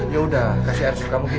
yaudah kasih air suka mungkin